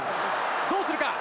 どうするか！